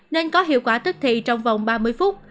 nên có hiệu quả tức thì trong vòng ba mươi phút